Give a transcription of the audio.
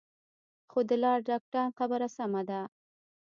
خو د لارډ اکټان خبره سمه ده.